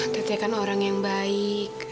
tete kan orang yang baik